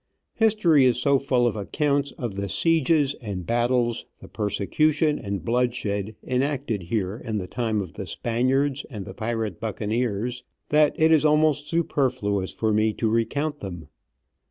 History is so full of accounts of the sieges and battles, the persecution and blood shed, enacted here in the time of the Spaniards and the pirate buccaneers that it is almost superfluous for me to recount them.